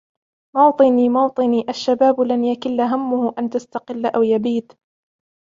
مَــوطِــنِــي مَــوطِــنِــي الشبابُ لنْ يكِلَّ هَمُّهُ أنْ تستَقِـلَّ أو يَبيدْ